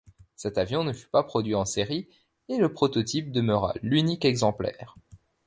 Cet avion ne fut pas produit en série, et le prototype demeura l'unique exemplaire.